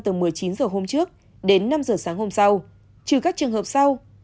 từ một mươi chín h hôm trước đến năm h sáng hôm sau trừ các trường hợp sau